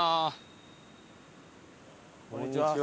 こんにちは。